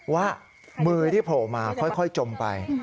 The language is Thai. ว่ามือที่โผล่มาค่อยจมไป